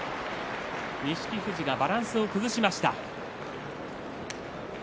錦富士がバランスを崩しました。